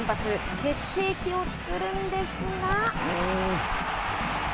決定機を作るんですが。